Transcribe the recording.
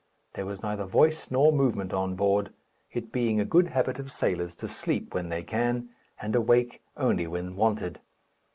There was neither voice nor movement on board, it being a good habit of sailors to sleep when they can, and awake only when wanted.